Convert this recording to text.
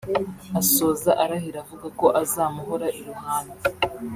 Asoza arahira avuga ko azamuhora iruhande